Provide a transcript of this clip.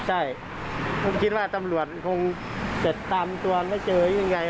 ใช่ผมคิดว่าตำรวจคงจะตามตัวไม่เจอหรือยังไง